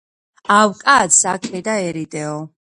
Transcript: ავი კაცი აქე და ერიდეო